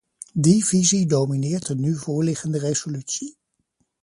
Die visie domineert de nu voorliggende resolutie.